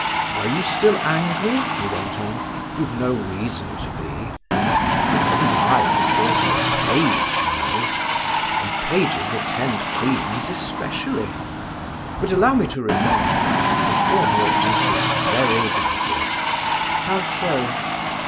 "Are you still angry?" he went on. "You've no reason to be. It wasn't I who called you a page, you know, and pages attend queens especially. But allow me to remark that you perform your duties very badly." "How so?"